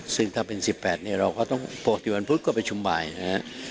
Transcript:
ซึ่งถ้าเป็น๑๘เนี่ยเราก็ต้องปกติวันพุธก็ประชุมบ่ายนะครับ